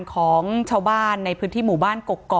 ของชาวบ้านในพื้นที่หมู่บ้านกกอก